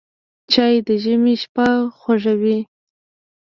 چای د ژمي شپه خوږه کوي